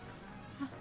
あっ